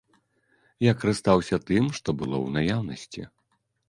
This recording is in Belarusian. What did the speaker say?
Я карыстаўся тым, што было ў наяўнасці.